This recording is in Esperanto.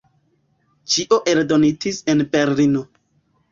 Ĉio eldonitis en Berlino.